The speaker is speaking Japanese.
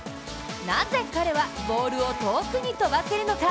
なぜ彼はボールを遠くに飛ばせるのか！？